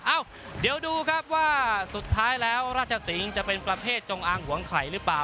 เอ้าเดี๋ยวดูครับว่าสุดท้ายแล้วราชสิงศ์จะเป็นประเภทจงอางหวงไข่หรือเปล่า